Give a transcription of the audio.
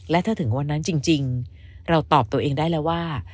และถ้าถึงวันนั้นจริงเราตอบตัวเองได้แล้วว่า